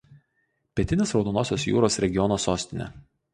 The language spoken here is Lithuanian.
Pietinės Raudonosios Jūros regiono sostinė.